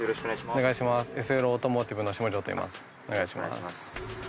お願いします。